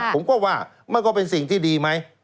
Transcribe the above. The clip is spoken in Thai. ผมก็ว่ามันก็เป็นสิ่งที่ดีไหม